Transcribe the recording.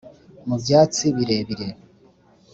mu byatsi birebire,